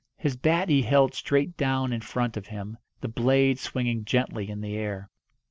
His bat he held straight down in front of him, the blade swinging gently in the air.